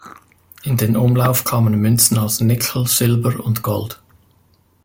In den Umlauf kamen Münzen aus Nickel, Silber und Gold.